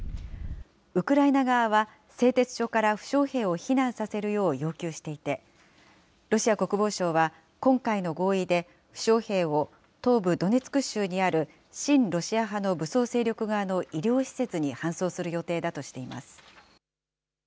ウクライナ側は、製鉄所から負傷兵を避難させるよう要求していて、ロシア国防省は、今回の合意で負傷兵を東部ドネツク州にある親ロシア派の武装勢力側の医療施設に搬送する予定だとしています。